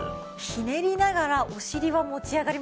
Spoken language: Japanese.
ひねりながらお尻は持ち上がりましたね。